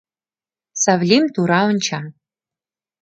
Савлим тура онча...